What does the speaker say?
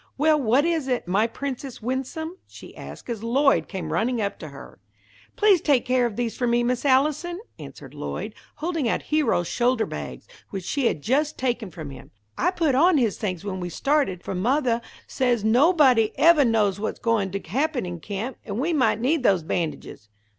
"Well, what is it, my Princess Winsome?" she asked, as Lloyd came running up to her. "Please take care of these for me, Miss Allison," answered Lloyd, holding out Hero's shoulder bags, which she had just taken from him. "I put on his things when we started, for mothah says nobody evah knows what's goin' to happen in camp, and we might need those bandages."